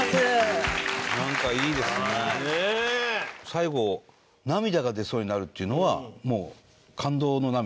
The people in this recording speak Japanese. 最後涙が出そうになるっていうのはもう感動の涙？